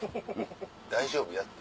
大丈夫やって。